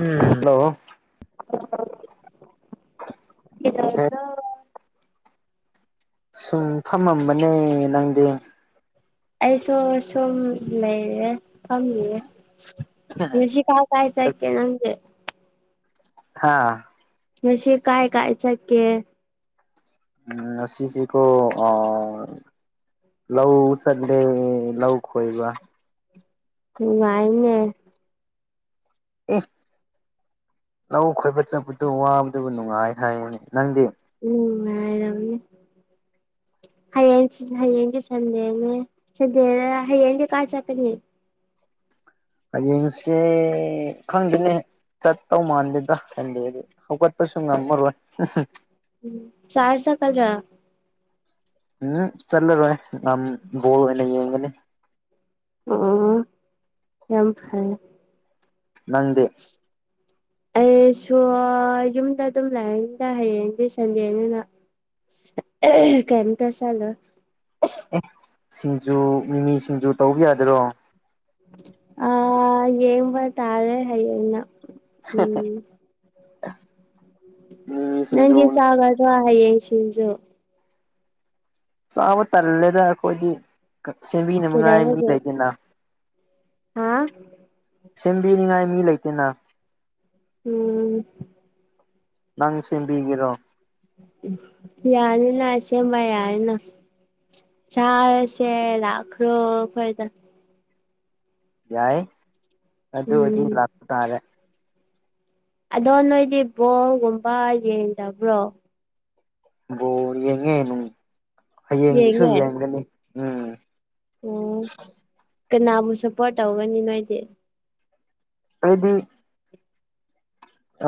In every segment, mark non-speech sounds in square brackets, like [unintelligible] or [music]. ꯎꯝ hello. ꯑ [inaudible] ꯀꯩꯗꯧꯔꯤꯅꯣ꯫ ꯁꯨꯝ ꯐꯝꯃꯝꯕꯅꯦ ꯅꯪꯗꯤ꯫ ꯑꯩꯁꯨ ꯁꯨꯝ ꯂꯩꯔꯦ ꯐꯝꯃꯤꯌꯦ ꯉꯥꯁꯤ ꯀꯥꯏ ꯆꯥꯠꯀꯦ ꯅꯪꯗꯤ꯫ ꯍꯥꯥ ꯉꯁꯤ ꯀꯥꯏ ꯀꯥꯏ ꯆꯥꯠ ꯀꯦ ꯎꯝ ꯉꯁꯤ ꯁꯤ ꯀꯣ ꯑꯥ ꯂꯧ ꯆꯥꯠꯂꯦ ꯂꯧ ꯈꯣꯏꯕ꯫ ꯅꯨꯉꯥꯏꯅꯦ ꯑꯦ ꯂꯧ ꯈꯣꯏꯕ ꯆꯪꯄꯗꯨ ꯋꯥꯕꯗꯨꯕꯨ ꯅꯨꯡꯉꯥꯏ ꯍꯥꯏꯅꯤ ꯅꯪꯗꯤ꯫ ꯎꯝ ꯅꯨꯉꯥꯏꯔꯝꯅꯤ꯫ [inaudible] ꯍꯌꯦꯡ ꯍꯌꯦꯡꯗꯤ ꯁꯟꯗꯦꯅꯦ ꯁꯟꯗꯦ ꯍꯌꯦꯡꯒꯤ ꯀꯥꯏ ꯆꯠꯀꯅꯤ꯫ ꯍꯌꯦꯡꯁꯦ ꯈꯪꯗꯦꯅꯦ꯫ ꯆꯠꯇꯧ ꯃꯥꯟꯗꯦꯗ ꯈꯟꯗꯤ ꯍꯧꯒꯠꯄꯁꯨ ꯉꯝꯃꯔꯣꯏ꯫ ꯎꯝ ꯆꯔꯁ ꯆꯥꯠꯀꯗ꯭ꯔꯥ ꯎꯝ ꯆꯠꯂꯔꯣꯏ ꯕꯣꯜ ꯑꯣꯏꯅ ꯌꯦꯡꯒꯅꯤ ꯎꯝ ꯎꯝ ꯌꯥꯝ ꯐꯩ꯫ ꯅꯪꯗꯤ꯫ ꯑꯩ ꯁꯨ ꯌꯨꯝꯗ ꯑꯗꯨꯝ ꯂꯩꯅꯤꯗ ꯍꯌꯦꯡꯗꯤ ꯁꯟꯗꯦꯅꯤꯅ꯫ ꯀꯝ ꯇ ꯆꯂꯣꯏ꯫ ꯁꯤꯡꯖꯨ ꯃꯤꯃꯤ ꯁꯤꯡꯖꯨ ꯇꯧꯕ ꯌꯥꯗꯣꯏꯔꯣ꯫ ꯑ ꯌꯦꯡꯕ ꯇꯥꯔꯦ ꯍꯌꯦꯅ꯫ [unintelligible] ꯃꯤꯃꯤ ꯁꯤꯡꯖꯨ ꯅꯪꯗꯤ ꯆꯥꯒꯗꯔ ꯍꯌꯦꯡ ꯁꯤꯡꯖꯨ꯫ ꯆꯥꯕ ꯇꯜꯂꯦꯗ ꯑꯩꯈꯣꯏꯒꯤ ꯁꯦꯝꯕꯤꯅꯕꯉꯥꯏ ꯃꯤ ꯂꯩꯗꯦꯅ꯫ ꯎꯝ ꯁꯦꯝꯕꯤꯅꯤꯡꯉꯥꯏ ꯃꯤ ꯂꯩꯇꯦꯅ꯫ ꯎꯝ ꯅꯪ ꯁꯦꯝꯕꯤꯒꯦꯔꯣ꯫ ꯌꯥꯅꯤꯅ ꯑꯁꯦꯃ ꯌꯥꯏꯅ ꯆꯔꯁꯦ ꯂꯈꯔꯣ ꯑꯩꯈꯣꯏꯗ꯫ ꯌꯥꯏ ꯑꯗꯨ ꯑꯣꯏꯗꯤ ꯎꯝ ꯂꯥꯛꯄ ꯇꯥꯔꯦ꯫ ꯑꯗꯣ ꯅꯣꯏꯗꯤ ꯕꯣꯜꯒꯨꯝꯕ ꯌꯦꯡꯗꯕ꯭ꯔꯣ꯫ ꯕꯣꯜ ꯌꯦꯡꯉꯦ ꯅꯨꯡ ꯍꯌꯦꯡꯒꯤꯁꯨ ꯌꯦꯡꯉꯦ ꯌꯦꯡꯒꯅꯤ꯫ ꯎꯝ ꯑꯣ ꯀꯅꯥꯕꯨ ꯁꯄꯣꯔꯠ ꯇꯧꯒꯅꯤ ꯅꯣꯏꯗꯤ꯫ ꯑꯩꯗꯤ꯫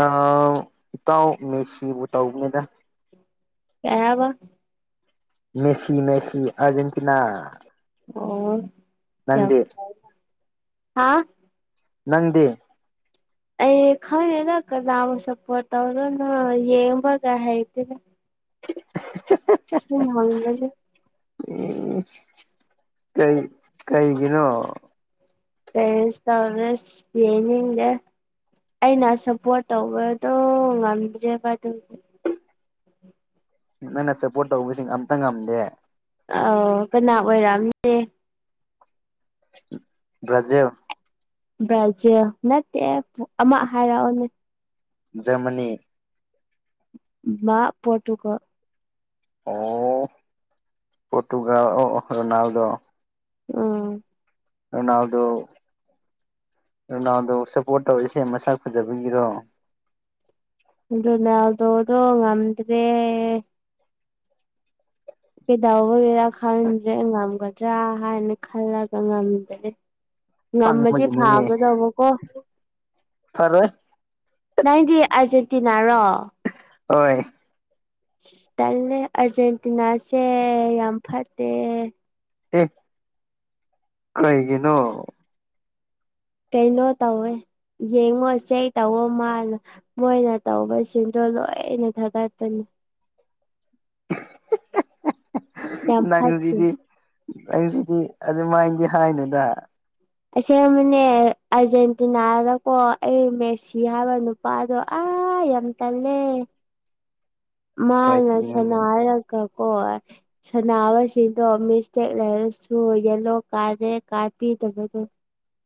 ꯑꯥ ꯏꯇꯧ ꯃꯦꯁꯤꯕꯨ ꯇꯧꯕꯅꯤꯗ꯫ ꯀꯌꯥ ꯋꯥ [unintelligible] ꯃꯦꯁꯤ ꯃꯦꯁꯤ ꯑꯔꯖꯦꯟꯇꯤꯅꯥ ꯑꯣ ꯍꯥ [unintelligible] ꯅꯪꯗꯤ ꯑꯩ ꯈꯪꯗ‌ꯦꯗ ꯀꯅꯥꯒ ꯁꯄꯣ ꯇꯧꯗꯣꯅ‌ꯣ ꯌꯦꯡꯕꯒ ꯍꯩꯇ‌ꯦꯗ [unintelligible] ꯁꯨꯝ ꯍꯪꯕꯅꯤ ꯎ ꯀꯩ ꯀꯩꯒꯤꯅꯣ ꯇꯁ [unintelligible] ꯌꯦꯅꯤꯒ ꯑꯩꯅ ꯁꯞꯄꯣꯔꯠ ꯇꯧꯕꯗꯣ ꯉꯝꯗ꯭ꯔꯦꯕ ꯑꯗꯨꯝ ꯅꯪꯅ ꯁꯄꯣꯔꯠ ꯇꯧꯕꯁꯤꯡ ꯑꯝꯇ ꯉꯝꯗꯦ ꯑꯥꯎ ꯀꯅꯥ ꯑꯣꯏꯔꯛꯑꯝꯅꯦ [unintelligible] ꯕ꯭ꯔꯖꯤꯜ ꯕ꯭ꯔꯥꯖꯤꯜ ꯅꯠꯇꯦ ꯑꯃ ꯍꯥꯏꯔꯛꯑꯣꯅꯦ ꯖꯔꯃꯅꯤ ꯃꯥ ꯄ‌ꯣꯇꯨꯒ ꯑꯣ ꯄꯣꯇꯨꯒꯜ ꯑꯣ ꯔꯣꯅꯥꯜꯗꯣ ꯎꯝ ꯔ‌ꯣꯅꯥꯜꯗꯣ ꯔꯣꯅꯥꯜꯗꯣ ꯁꯞꯄꯣꯔꯠ ꯇꯧꯔꯛꯁꯦ ꯃꯁꯛ ꯐꯖꯕꯒꯤꯗꯣ ꯔ‌ꯣꯅꯥꯜꯗ‌ꯣꯗ‌ꯣ ꯉꯝꯗ꯭ꯔꯦ ꯀꯩꯗꯧꯕꯩꯅ‌ꯣ ꯈꯪꯗ꯭ꯔꯦ ꯉꯝꯒꯗ꯭ꯔꯥ ꯍꯥꯏꯅ ꯈꯜꯂꯒ ꯉꯝꯗꯦ [unintelligible] ꯉꯝꯃꯗꯤ ꯄꯪꯕꯒꯤꯅꯤꯅꯦ ꯐꯥꯒꯗꯧꯕꯀꯣ ꯐꯔꯣꯏ ꯅꯪꯗꯤ ꯑꯥꯔꯖꯦꯟꯇꯤꯅꯥꯔꯣ ꯍꯣꯏ ꯇꯜꯂꯦ ꯑꯔꯖꯦꯟꯇꯤꯅꯥꯁꯦ ꯌꯥꯝ ꯐꯠꯇꯦ ꯑꯦ ꯀꯩꯒꯤꯅꯣ ꯀꯩꯅꯣ ꯇꯧꯋꯦ ꯌꯦꯡꯉꯣꯁꯦ ꯇꯧꯑꯣ ꯃꯥꯜꯂꯣ ꯃꯣꯏꯅ ꯇꯧꯕꯁꯤꯡꯗꯣ ꯂꯣꯏꯅ ꯊꯥꯒꯠꯄꯅꯤ ꯌꯥꯝ [unintelligible] ꯐꯠꯇꯦ ꯅꯪꯨꯖꯤꯗꯤ ꯑꯩꯁꯤꯗꯤ ꯑꯗꯨꯃꯥꯏꯅꯗꯤ ꯍꯥꯏꯅꯨꯗ ꯑꯁ‌ꯦꯡꯕꯅ‌ꯦ ꯑꯥꯔꯖꯦꯟꯇꯤꯅꯥꯗꯀꯣ ꯑꯩ ꯃꯦꯁꯤ ꯍꯥꯏꯕ ꯄꯥꯗꯣ ꯑ ꯌꯥꯝ ꯇꯜꯂꯦ ꯃꯥꯅ ꯁꯅ ꯀꯩꯒꯤꯅꯣꯅꯦ ꯍꯥꯏꯔꯒ ꯀꯣꯏ ꯁꯥꯟꯅꯕꯁꯤꯡꯗꯣ ꯃꯤꯁꯇꯦꯛ ꯂꯩꯔꯁꯨ ꯌꯦꯂꯣ ꯀꯥꯔ ꯔꯦꯗ ꯀꯥꯔ ꯄꯤꯗꯕꯗꯣ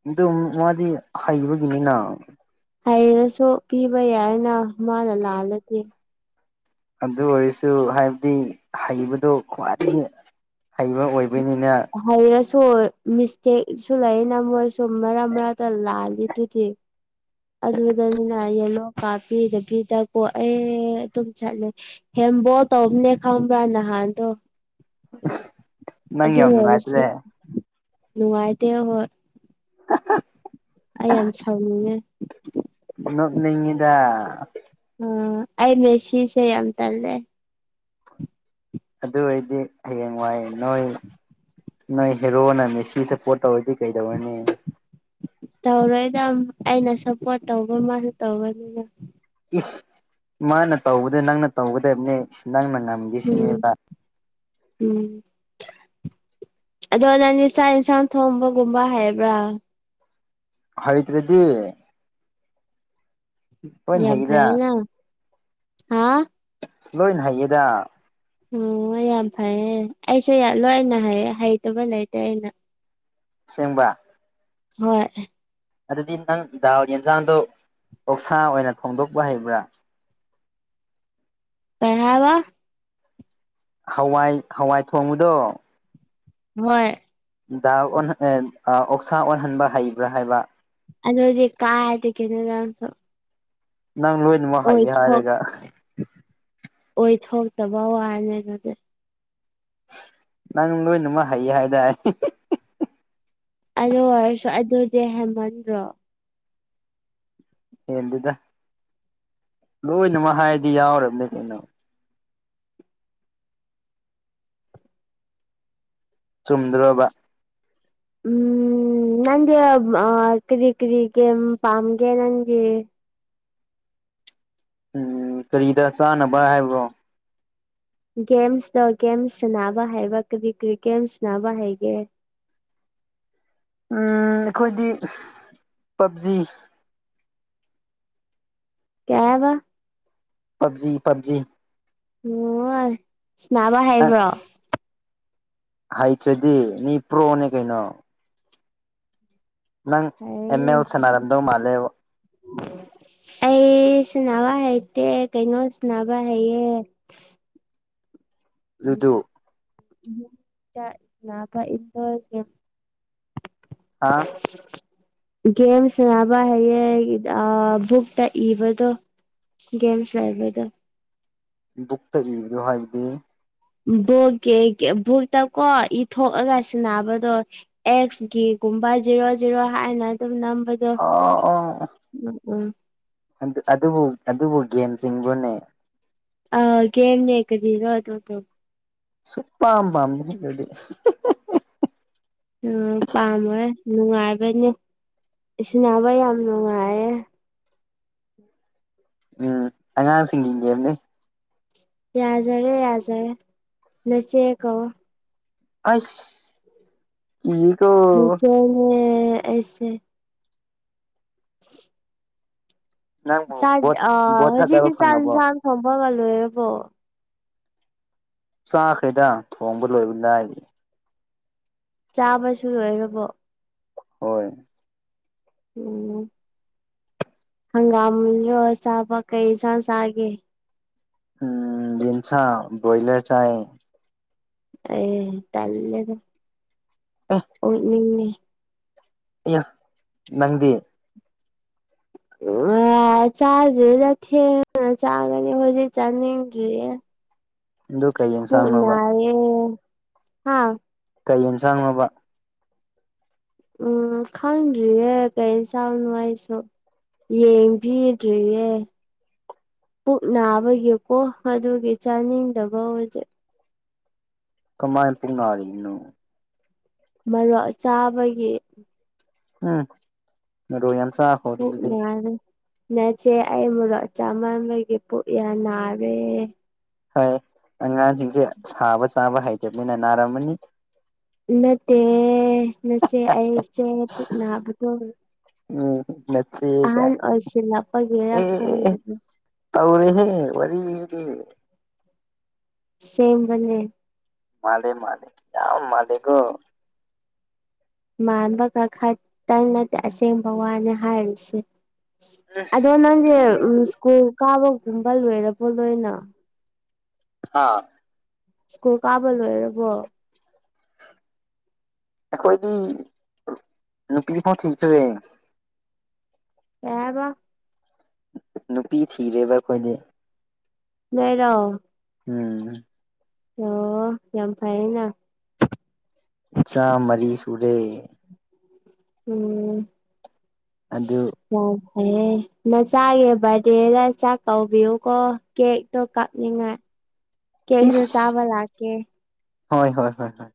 ꯑꯗꯨꯝ ꯃꯥꯗꯤ ꯍꯩꯕꯒꯤꯅꯤꯅ ꯍꯩꯔꯁꯨ ꯄꯤꯕ ꯌꯥꯏꯅ ꯃꯥꯅ ꯂꯥꯜꯂꯗꯤ ꯑꯗꯨ ꯑꯣꯏꯔꯁꯨ ꯍꯥꯏꯕꯗꯤ ꯍꯩꯕꯗꯣ ꯈ꯭ꯋꯥꯏꯗꯒꯤ ꯍꯩꯕ ꯑꯣꯏꯕꯅꯤꯅ ꯍꯩꯔꯁꯨ ꯃꯤꯁꯇꯦꯛꯁꯨ ꯂꯩ ꯅ ꯃꯣꯏꯁꯨ ꯃꯔꯛ ꯃꯔꯛꯇ ꯂꯥꯜꯂꯤ ꯑꯗꯨꯗꯤ ꯑꯗꯨꯗꯅꯤꯅ ꯌꯦꯂꯣ ꯀꯥꯞꯄꯤꯗꯕꯤꯗꯀꯣ ꯑꯩ ꯑꯗꯨꯝ ꯆꯠꯂꯦ ꯍꯦꯝꯕꯣ ꯇꯕꯅꯦ ꯈꯪꯕ꯭ꯔꯥ ꯅꯍꯥꯟꯗꯣ ꯅꯪ ꯑꯗꯨ ꯌꯥꯝ ꯑꯣꯏꯔꯁꯨ ꯅꯨꯡꯉꯥꯏꯇ꯭ꯔꯦ ꯅꯨꯡꯉꯥꯏꯇꯦ ꯍꯣꯏ [inaudible] ꯑꯩ ꯌꯥꯝ ꯁꯥꯎꯅꯤꯡꯉꯦ ꯅꯣꯛꯅꯤꯡꯉꯤꯗꯥ ꯑꯣ ꯑꯩ ꯃꯦꯁꯤꯁꯦ ꯌꯥꯝ ꯇꯜꯂ‌ꯦ ꯑꯗꯨ ꯑꯣꯏꯗꯤ ꯍꯌꯦꯡ ꯋꯥꯏ ꯅꯣꯏ ꯅꯣꯏ ꯍꯦꯔꯣꯅ ꯃꯦꯁꯤꯁꯦ ꯄꯣꯠ ꯇꯧꯔꯗꯤ ꯀꯩꯗꯧꯔꯅꯦ ꯇꯧꯔꯣꯏꯗ ꯑꯩꯅ ꯁꯞꯄꯣꯔꯠ ꯇꯧꯕ ꯃꯥꯁꯨ ꯇꯧꯕꯅꯤꯅ ꯏꯁ ꯃꯥꯅ ꯇꯧꯕꯗ ꯅꯪꯅ ꯇꯧꯒꯗꯕꯅꯦ ꯅꯪꯅ ꯉꯝꯃꯦ ꯎꯝ ꯎꯝ ꯑꯗꯣ ꯅꯪꯅ ꯆꯥꯛ ꯌꯦꯟꯁꯥꯡ ꯊꯣꯡꯕꯒꯨꯝꯕ ꯍꯥꯏꯕ꯭ꯔꯥ ꯍꯥꯎꯗ꯭ꯔꯦꯗꯤ ꯂꯣꯏꯅ ꯌꯥꯝ ꯍꯩꯌꯦꯗ ꯐꯩꯅ ꯍꯥ ꯂꯣꯏꯅ ꯍꯩꯌꯦꯗ ꯑꯣ ꯌꯥꯝ ꯐꯩꯌꯦ ꯑꯩꯁꯨ ꯂꯣꯏꯅ ꯍꯩꯇꯕ ꯂꯩꯇꯦ ꯑꯩꯅ ꯁꯦꯡꯕ ꯍꯣꯏ ꯑꯗꯨꯗꯤ ꯅꯪ ꯗꯥꯎꯒꯤ ꯌꯦꯟꯖꯥꯡꯗꯣ ꯑꯣꯛꯁꯥ ꯑꯣꯏꯅ ꯊꯣꯡꯗꯣꯛꯄ ꯍꯩꯕ꯭ꯔꯥ ꯀꯩ ꯍꯥꯏꯕ ꯍꯋꯥꯏ ꯍꯋꯥꯏ ꯊꯣꯡꯕꯗꯣ ꯍꯣꯏ ꯑꯣꯛꯁꯥ ꯑꯣꯟꯍꯟꯕ ꯍꯩꯕ꯭ꯔꯥ ꯍꯥꯏꯕ ꯑꯗꯣꯗꯤ ꯀꯥꯏ ꯀꯩꯅ ꯅꯪ ꯂꯣꯏꯅꯃꯛ ꯑꯣꯏ ꯍꯩꯌꯦ ꯍ [unintelligible] ꯑꯣꯏꯊꯣꯛꯇꯕ ꯋꯥꯅꯦ ꯑꯗꯨꯗꯤ ꯅꯪ ꯂꯣꯏꯅꯃꯛ ꯍꯩ ꯍꯥꯏꯇꯥꯔꯦ ꯑꯗꯨ ꯑꯣꯏꯔꯁꯨ ꯑꯗꯨꯗꯤ ꯍꯦꯃꯟꯗꯔꯣ ꯍꯦꯟꯗꯨꯗ ꯂꯣꯏꯅꯃꯛ ꯍꯥꯏꯔꯗꯤ ꯌꯥꯎꯔꯕꯅꯦ ꯀꯩꯅꯣ ꯆꯨꯝꯗ꯭ꯔꯣꯕ ꯎꯝ ꯅꯪꯗꯤ ꯀꯔꯤ ꯀꯔꯤ ꯀꯒꯦꯝ ꯄꯥꯝꯒꯦ ꯅꯪꯒꯤ ꯎꯝ ꯀꯔꯤꯗ ꯆꯥꯅꯕ ꯍꯥꯏꯕ꯭ꯔꯣ ꯒꯦꯝꯁꯇꯣ ꯒꯦꯝꯁ ꯁꯅꯕ ꯍꯥꯏꯕ ꯀꯔꯤ ꯀꯔꯤ ꯒꯦꯝꯁ ꯁꯅꯕ ꯍꯥꯏꯒꯦ ꯎ ꯑꯩꯈꯣꯏꯗꯤ ꯄꯞꯖꯤ ꯀꯌꯥꯕ ꯄꯞꯖꯤ ꯄꯞꯖꯤ ꯑꯣ ꯁꯅꯥꯕ ꯑ ꯍꯥꯏꯕ꯭ꯔꯣ ꯍꯩꯇ꯭ꯔꯗꯤ ꯃꯤ ꯄ꯭ꯔꯣꯅꯦ ꯀꯩꯅꯣ ꯅꯪ ꯍꯩꯌꯦ ꯑꯅꯤꯃꯛ ꯁꯅꯔꯝꯗꯧ ꯃꯟꯂꯦꯕꯨ ꯑꯩ ꯁꯅꯕ ꯍꯩꯇꯦ ꯀꯩꯅꯣ ꯁꯅꯕ ꯍꯩꯌꯦ ꯑꯗꯨꯗꯨ ꯎꯝ ꯑ ꯏꯣ ꯍꯥ ꯒꯦꯝ ꯁ ꯅꯕ ꯍꯌꯦꯡ ꯕꯨꯛꯇ ꯏꯕꯗꯣ ꯒꯦꯝꯁ ꯂꯩꯕꯗ ꯕꯨꯛꯇ ꯏꯕꯗꯣ ꯍꯥꯏꯕꯗꯤ ꯚꯣꯛꯀꯤꯦ ꯕꯣꯛꯛꯇ ꯀꯣ ꯏ ꯊꯣꯛꯣꯛꯂꯒ ꯁꯤꯟꯅꯕꯗꯣ ꯑꯦꯛꯁꯀꯤꯒꯨꯝꯕ ꯖꯦꯔꯣ ꯖꯦꯔꯣ ꯍꯥꯏꯅ ꯑꯗꯨꯝꯝꯕ ꯑꯣ ꯑꯣ ꯎꯝ ꯎꯝ ꯑꯗꯨꯕꯨ ꯑꯗꯨꯕꯨ ꯒꯦꯝꯁꯤꯡꯕꯨꯅꯦ ꯑꯒꯦꯅꯦ ꯌꯦꯦ ꯀꯗꯤꯔꯣ ꯑꯗ ꯁ ꯄꯥꯝ ꯄꯝꯗꯗꯤ ꯑꯣ ꯄꯥꯝꯃꯣꯏ ꯅꯨꯡꯉꯥꯏꯕꯅꯦ ꯁꯤꯟꯅꯕ ꯌꯥꯝ ꯅꯨꯡꯉꯥꯏꯌꯦꯦ ꯎꯝ ꯑꯉꯥꯡ ꯁꯤꯁꯤꯡꯒꯦꯝꯅꯤ ꯌꯥꯖꯔꯦ ꯌꯥꯖꯔꯦ ꯅꯆꯦꯀꯣ ꯑꯁ ꯏꯒꯣ ꯆꯁꯦ [unintelligible] ꯅꯪꯕꯨ ꯆꯥꯟ ꯕꯣꯠ ꯑ ꯕꯣꯠ ꯊꯥꯗꯕ ꯍꯧꯖꯤꯗꯤ ꯆꯥꯟ ꯐꯪꯉꯕꯣ ꯆꯥꯟ ꯊꯪꯝꯕꯒꯂꯣꯦꯔꯕꯣ ꯆꯥꯈ꯭ꯔꯦꯗ ꯊꯣꯡꯕ ꯂꯣꯏꯕ ꯂꯥꯏꯔꯤ ꯆꯥꯕꯁꯨ ꯂꯣꯏꯔꯕꯣ ꯍꯣꯏ ꯎꯝ ꯍꯪꯒꯥꯝꯣ ꯆꯥꯕ ꯀꯩ ꯁꯟꯁꯒꯦ ꯎꯝ ꯂꯁ ꯕ꯭ꯔꯣꯣꯌꯂꯔ ꯆꯦ ꯑꯦ ꯇꯂꯦꯒ ꯑꯥ ꯎ ꯃꯤꯅꯤ ꯌꯥ ꯅꯪꯗꯤ ꯆꯥꯗ꯭ꯔꯤꯗ ꯊꯦꯡꯅ ꯆꯥꯒꯅꯤ ꯍꯧꯖꯤꯛ ꯆꯥꯅꯤꯡꯗ꯭ꯔꯤꯌꯦ ꯑꯗꯨꯗꯨ ꯀꯩꯌꯦꯦ ꯄ ꯄꯨꯅꯌꯦ ꯍꯥꯥ ꯀꯩ ꯌꯦꯟꯁꯥꯡꯕ ꯎꯝ ꯈꯟꯔꯤ ꯀꯩꯁꯥꯎꯅꯅꯨꯡꯋꯥꯥꯏꯁꯨꯣ ꯌꯦꯡꯕꯤꯗ꯭ꯔꯤꯌꯦꯦ ꯄꯨꯛ ꯅꯥꯕꯒꯤꯀꯣ ꯑꯗꯨꯒꯤ ꯆꯥꯅꯤꯡꯗꯕ ꯍꯧꯖꯤꯛ ꯀꯃꯥꯏꯅ ꯄꯨꯨꯡꯅꯒꯅꯣ ꯃꯔꯛ ꯆꯥꯕꯒꯤ ꯑ ꯣ ꯌꯥꯝ ꯎ ꯌꯥꯔꯦ ꯅꯆꯦ ꯑꯩ ꯃꯣꯔꯣꯛ ꯆꯃꯝꯕꯒꯤ ꯄꯨꯛꯌꯥ ꯅꯥꯔꯦ ꯍꯣꯏ ꯑꯉꯥꯡꯁꯤꯡꯁꯦ ꯁꯥꯕ ꯆꯥꯕ ꯍꯥꯏꯇꯅꯤꯅ ꯅꯥꯔꯝꯃꯅꯤ ꯅꯠꯇꯦ ꯅꯆꯦ ꯑꯩꯁꯦꯅꯕ ꯎꯝ ꯅꯤ ꯑꯣꯏꯁꯤꯜꯂꯛꯄꯒꯤꯔ ꯀꯥꯏ ꯈꯪꯗ꯭ꯔꯦ ꯇꯧꯔꯦꯍꯦ ꯋꯥꯔꯤꯔꯤ ꯁꯦꯝ ꯃꯅꯤꯦ ꯃꯥꯂꯦ ꯃꯥꯂꯦ ꯌꯥ ꯃꯥꯂꯦꯒꯣ ꯃꯥꯟꯕꯒ ꯈꯛꯇꯪ ꯅꯠꯇꯦ ꯑꯁꯦꯡꯕ ꯋꯥꯅꯤ ꯍꯥꯏꯔꯤꯁꯦ ꯑꯗꯣ ꯅꯪꯁꯦ ꯁ꯭ꯀꯨꯜ ꯀꯥꯕꯒꯨꯝꯕ ꯂꯣꯏꯔꯕꯣ ꯂꯣꯏꯅ ꯍꯥꯥ ꯁ꯭ꯀꯨꯜ ꯀꯥꯕ ꯂ ꯑꯣꯏꯔꯕꯣ ꯑꯩꯈꯣꯏꯗꯤ ꯅꯨꯄꯤ ꯐꯥꯎ ꯊꯤꯈ꯭ꯔꯦ ꯀꯕ ꯅꯨꯄꯤ ꯊꯤꯔꯦꯕ ꯑꯩꯈꯣꯏꯗꯤ ꯂꯩꯔꯣ ꯎꯝ ꯑꯣ ꯌꯥꯝ ꯐꯥꯏꯅ ꯏꯆꯥ ꯃꯔꯤ ꯁꯨꯔꯦ ꯎꯝ ꯑꯗꯨ ꯌꯥꯝ ꯐꯩꯌꯦ ꯅꯆꯥꯒꯤ ꯕꯥꯔꯗꯗꯦꯗ ꯆꯥꯛ ꯀꯧꯕꯤꯌꯨꯀꯣ ꯀꯦꯛꯇꯣ ꯀꯛꯅꯤꯡꯉꯥꯏ [inaudible] ꯀꯦꯛꯁꯨ ꯏꯁ ꯆꯥꯕ ꯂꯥꯛꯀꯦ ꯍꯣꯏ ꯍꯣꯏ ꯍꯣꯏ ꯍꯣꯏ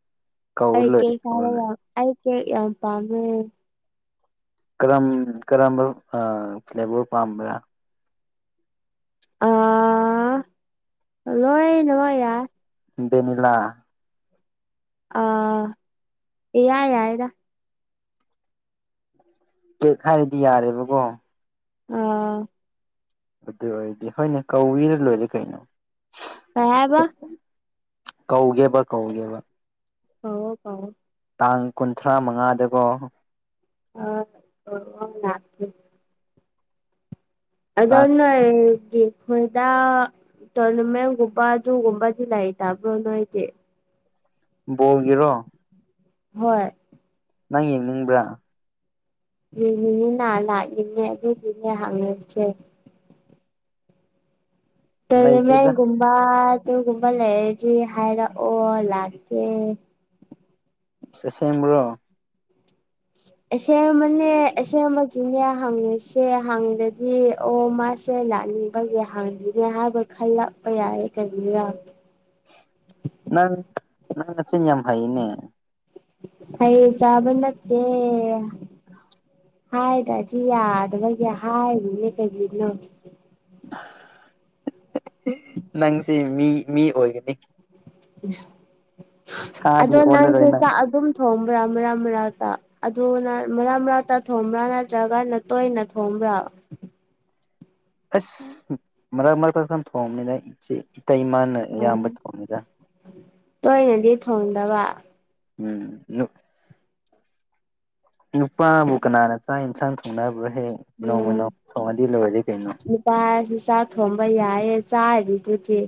ꯑꯩ ꯀꯧꯔ ꯀꯦ ꯂꯣꯏꯔꯦ ꯀꯧꯔ ꯆꯥꯕꯥ ꯂꯣꯏꯔꯦ ꯌꯥꯝ ꯑꯩ ꯀꯦꯛ ꯌꯥꯝ ꯄꯥꯃꯦ ꯀꯔꯝ ꯀꯔꯝꯕ ꯑ ꯐ꯭ꯂꯦꯕꯔ ꯄꯥꯝꯕ꯭ꯔꯥ ꯑ ꯂꯣꯏꯅꯃꯛ ꯌꯥꯏ ꯕꯦꯅꯤꯂꯥ ꯑ ꯏꯌꯥ ꯌꯥꯏꯗ ꯀꯦꯛ ꯍꯥꯏꯔꯗꯤ ꯌꯥꯔꯦꯕꯀꯣ ꯑꯥ ꯑꯗꯨ ꯑꯣꯏꯔꯗꯤ ꯍꯣꯏꯅꯦ ꯀꯧꯏꯔ ꯂꯣꯏꯔꯦ ꯀꯩꯅꯣ ꯀꯩ ꯍꯥꯏꯕ ꯀꯧꯒꯦꯕ ꯀꯧꯒꯦꯕ ꯀꯧꯑꯣ ꯀꯧꯑꯣ ꯇꯥꯡ ꯀꯨꯟꯊ꯭ꯔꯥ ꯃꯉꯥꯗꯕꯣ [unintelligible] ꯑꯗꯣ ꯇꯥꯡ ꯅꯣꯏꯒꯤ ꯍꯣꯏꯗ ꯇꯣꯔꯅꯃꯦꯟꯒꯨꯝꯕ ꯑꯗꯨꯒꯨꯝꯕꯗꯤ ꯂꯩꯇꯕ꯭ꯔꯣ ꯅꯣꯏꯒꯤ ꯕꯣꯜꯒꯤꯔꯣ ꯍꯣꯏ ꯅꯪ ꯌꯦꯡꯅꯤꯡꯕ꯭ꯔꯥ ꯌꯦꯡꯅꯤꯡꯉꯤꯅ ꯂꯥꯛꯅꯤꯡꯌꯦ ꯑꯗꯨꯒꯤꯅꯦ ꯍꯪꯉꯤꯁꯦ ꯂꯩꯇꯦꯗ ꯇꯨꯔꯅꯥꯃꯦꯟꯒꯨꯝꯕ ꯑꯗꯨꯒꯒꯨꯝꯕ ꯂꯩꯔꯗꯤ ꯍꯥꯏꯔꯛꯑꯣ ꯂꯥꯛꯀꯦ ꯑꯁꯦꯡꯕꯔꯣ ꯑꯁꯦꯡꯕꯅꯦ ꯑꯁꯦꯡꯕꯒꯤꯅꯦ ꯍꯪꯉꯤꯁꯦ ꯍꯪꯉꯗꯤ ꯑꯣ ꯃꯥꯁ ꯁꯦ ꯂꯥꯛꯅꯤꯡꯕꯒꯤ ꯍꯥꯡꯉꯤꯅꯦ ꯍꯥꯏꯕ ꯈꯜꯂꯛꯄ ꯌꯥꯏ ꯀꯔꯤ ꯅꯪ ꯅꯪ ꯅꯆꯤꯟ ꯌꯥꯝ ꯍꯩꯌꯦꯅꯦ ꯍꯩ ꯆꯕ ꯅꯠꯇꯦ ꯍꯥꯏꯗꯔ꯭ꯗꯤ ꯌꯥꯗꯕꯒꯤ ꯍꯥꯏꯔꯤꯅꯦ ꯀꯔꯤꯅꯣ ꯅꯪꯁꯤ ꯃꯤ ꯃꯤ ꯑꯣꯏꯒꯅꯤ ꯁꯥꯗꯤ ꯑꯗꯣ ꯅꯪꯁꯨ ꯑꯣꯜꯂꯔꯣꯏ ꯅꯪ ꯆꯥꯛ ꯑꯗꯨꯝ ꯊꯣꯡꯕ꯭ꯔꯥ ꯃꯔꯛ ꯃꯔꯛꯇ ꯑꯗꯨ ꯅ ꯃꯔꯛ ꯃꯔꯛꯇ ꯊꯣꯡꯕ꯭ꯔꯥ ꯅꯠꯇ꯭ꯔꯒꯅ ꯇꯣꯏꯅ ꯊꯣꯡꯕ꯭ꯔꯥ ꯑꯁ ꯃꯔꯛ ꯃꯔꯛꯇ ꯈꯛ ꯊꯣꯡꯉꯤꯗ ꯏꯆꯦ ꯏꯇꯩꯃꯅ ꯎꯝ ꯑꯌꯥꯝꯕ ꯊꯣꯡꯉꯤꯗ ꯇꯣꯏꯅꯗꯤ ꯊꯣꯡꯗꯕ ꯎꯝ ꯅꯨꯄꯥꯕꯨ ꯀꯅꯥꯅ ꯆꯥꯛ ꯌꯦꯟꯁꯥꯡ ꯊꯣꯡꯅꯕ꯭ꯔ ꯍꯦ ꯅꯣꯡꯃ ꯅꯣꯡꯃ ꯊꯣꯡꯉꯗꯤ ꯂꯣꯏꯔꯦ ꯀꯩꯅꯣ ꯄꯥꯁꯨ ꯆꯥꯛ ꯊꯣꯡꯕ ꯌꯥꯏꯌꯦ ꯆꯥꯔꯤꯗꯨꯗꯤ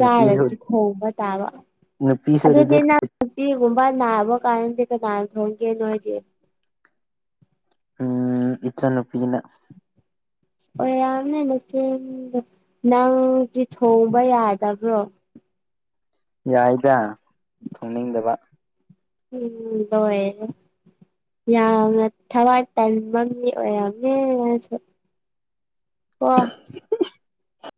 ꯅꯨꯄꯤꯁꯨ ꯊꯣꯡꯕ ꯇꯥꯕ ꯑꯗꯨꯗꯤ ꯅꯪ ꯅꯨꯄꯤꯒꯨꯝꯕ ꯅꯥꯕ ꯀꯥꯟꯗꯤ ꯀꯅꯥꯅ ꯊꯣꯡꯒꯦ ꯅꯣꯏꯒꯤ ꯎꯝ ꯏꯆꯟꯅꯨꯄꯤꯅ ꯑꯣꯔꯝꯅꯤ ꯅꯆꯟꯗꯣ ꯅꯪꯗꯤ ꯊꯣꯡꯕ ꯌꯥꯗꯕ꯭ꯔꯣ ꯌꯥꯏꯗ ꯊꯣꯡꯅꯤꯡꯗꯕ ꯎꯝ ꯇꯧꯋꯦ ꯌꯥꯝꯅ ꯊꯕꯛ ꯇꯟꯕ ꯃꯤ ꯑꯣꯏꯔꯝꯅꯤ ꯃꯥꯁꯨ ꯑꯣ